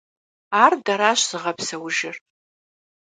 Ар дэращ зыгъэпсэужыр.